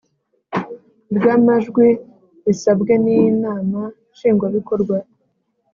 bw amajwi bisabwe n Inama Nshingwabikorwa